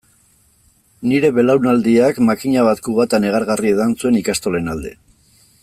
Nire belaunaldiak makina bat kubata negargarri edan zuen ikastolen alde.